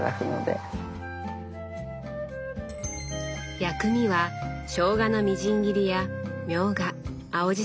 薬味はしょうがのみじん切りやみょうが青じそなどたっぷり。